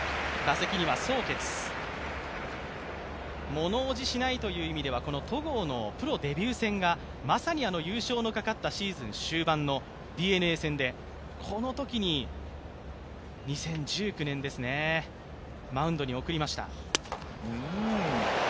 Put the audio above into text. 物おじしないという意味では戸郷のプロデビュー戦がまさに優勝のかかったシーズン終盤のＤｅＮＡ戦でこのときに２０１９年、マウンドに送りました。